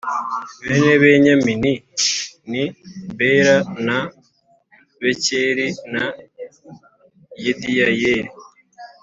Bene benyamini ni bela na bekeri na yediyayeli